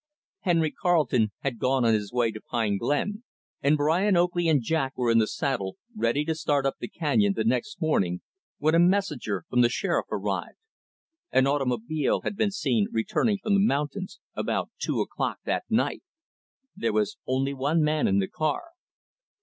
Henry Carleton had gone on his way to Pine Glen, and Brian Oakley and Jack were in the saddle, ready to start up the canyon, the next morning, when a messenger from the Sheriff arrived. An automobile had been seen returning from the mountains, about two o'clock that night. There was only one man in the car.